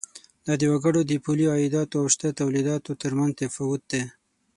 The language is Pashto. دا د وګړو د پولي عایداتو او شته تولیداتو تر مینځ تفاوت دی.